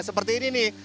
seperti ini nih